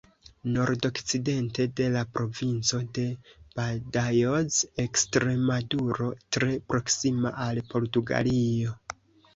Nordokcidente de la Provinco de Badajoz, Ekstremaduro, tre proksima al Portugalio.